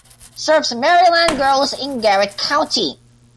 Serves Maryland girls in Garrett County.